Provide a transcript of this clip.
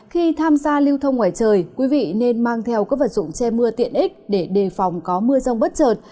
khi tham gia lưu thông ngoài trời quý vị nên mang theo các vật dụng che mưa tiện ích để đề phòng có mưa rông bất trợt